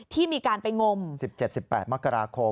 ที่มีการไปงม๑๗๑๘มกราคม